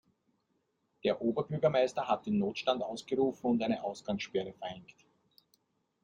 Der Oberbürgermeister hat den Notstand ausgerufen und eine Ausgangssperre verhängt.